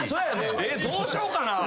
えっどうしようかな。